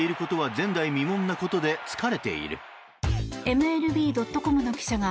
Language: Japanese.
ＭＬＢ．ｃｏｍの記者が